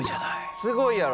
すごいやろ？